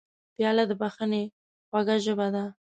پیاله د بښنې خوږه ژبه ده.